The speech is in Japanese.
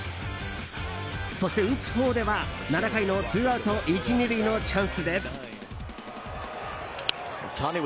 そして、打つほうでは７回のツーアウト１、２塁のチャンスで。